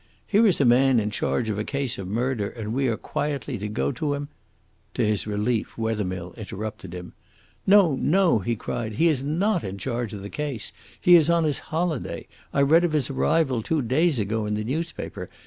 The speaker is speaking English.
"Here is a man in charge of a case of murder, and we are quietly to go to him " To his relief Wethermill interrupted him. "No, no," he cried; "he is not in charge of the case. He is on his holiday. I read of his arrival two days ago in the newspaper.